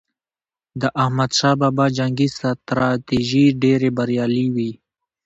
د احمد شاه بابا جنګي ستراتیژۍ ډېرې بریالي وي.